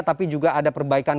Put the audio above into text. tapi juga ada perbaikan